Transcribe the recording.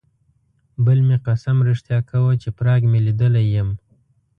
بل مې قسم رښتیا کاوه چې پراګ مې لیدلی یم.